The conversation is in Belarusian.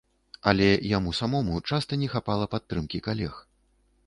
Але яму самому часта не хапала падтрымкі калег.